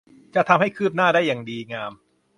จะทำให้คืบหน้าได้อย่างดีงาม